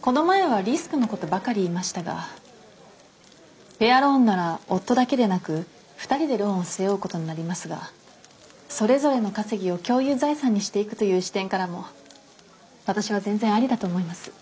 この前はリスクのことばかり言いましたがペアローンなら夫だけでなく二人でローンを背負うことになりますがそれぞれの稼ぎを共有財産にしていくという視点からも私は全然アリだと思います。